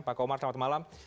pak komar selamat malam